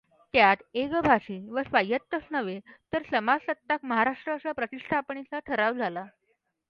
त्यात एकभाषी व स्वायत्तच नव्हे, तर समाजसत्ताक महाराष्ट्राच्या प्रतिष्ठापनेचा ठराव झाला.